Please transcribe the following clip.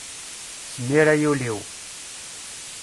Smir ay ul-iw!